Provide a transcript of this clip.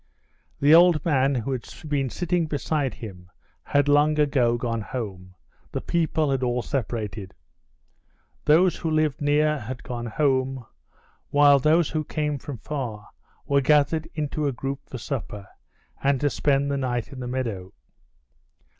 The old man who had been sitting beside him had long ago gone home; the people had all separated. Those who lived near had gone home, while those who came from far were gathered into a group for supper, and to spend the night in the meadow.